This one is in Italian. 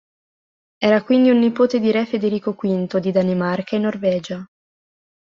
Era quindi un nipote di re Federico V di Danimarca e Norvegia.